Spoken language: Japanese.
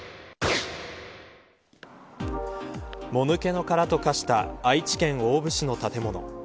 もぬけの殻と化した愛知県大府市の建物。